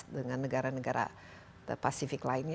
dengan negara negara pasifik lainnya